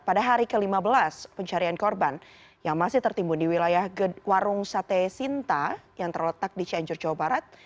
pada hari ke lima belas pencarian korban yang masih tertimbun di wilayah warung sate sinta yang terletak di cianjur jawa barat